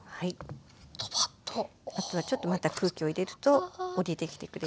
あとはちょっとまた空気を入れると下りてきてくれるので。